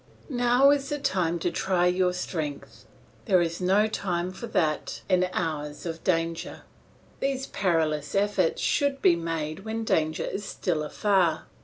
Now is the time to try your strength; there is no time for that in hours of danger. These perilous efforts should be made when danger is still afar.